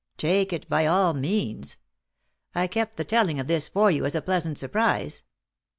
Take it by all means. I kept the telling of this for you as a pleasant surprise.